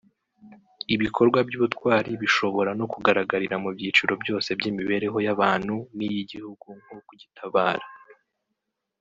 Ibikorwa by’ubutwari bishobora no kugaragarira mu byiciro byose by’imibereho y’abantu niy’igihugu nko kugitabara